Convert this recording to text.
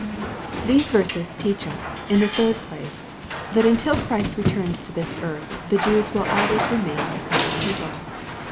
These verses teach us, in the third place, that until Christ returhs to this earth, the Jews will always remain a separate people.